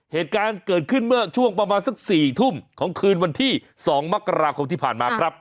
เหตุการณ์เกิดขึ้นเมื่อช่วงประมาณสัก๔ทุ่มของคืนวันที่๒มกราคมที่ผ่านมาครับ